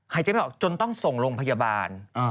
หายใจไม่ออกจนต้องส่งโรงพยาบาล